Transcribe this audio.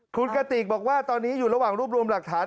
คุณกติกบอกว่าตอนนี้อยู่ระหว่างรวบรวมหลักฐาน